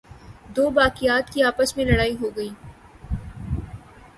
دوباقیات کی آپس میں لڑائی ہوگئی۔